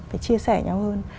phải chia sẻ nhau hơn